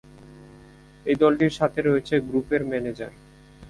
এই দলটির সাথে রয়েছে গ্রুপের ম্যানেজার।